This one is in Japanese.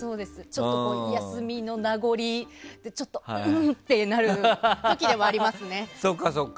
ちょっと休みの名残でちょっとうっってなる時ではありますね。